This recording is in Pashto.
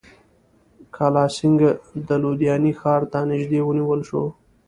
کالاسینګهـ د لودیانې ښار ته نیژدې ونیول شو.